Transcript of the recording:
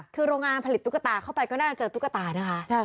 คือโรงงานผลิตตุ๊กตาเข้าไปก็น่าจะเจอตุ๊กตานะคะ